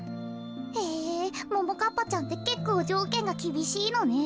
へぇももかっぱちゃんってけっこうじょうけんがきびしいのね。